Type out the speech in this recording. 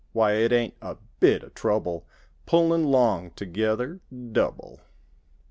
Why, it ain't a bit of trouble Pullin' 'long together—double.